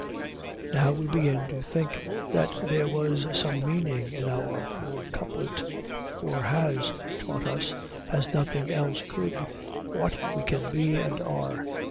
Now we begin to think that there was some meaning in our poor couplet. War has taught us, as nothing else could, what we can be and are.